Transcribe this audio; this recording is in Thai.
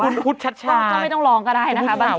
อ๋อคุณพูดชัดชาติก็ไม่ต้องลองก็ได้นะคะบางที